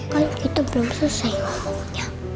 kan kita belum selesai ngomongnya